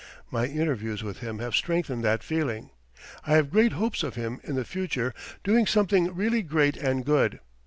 My interviews with him have strengthened that feeling. I have great hopes of him in the future doing something really great and good.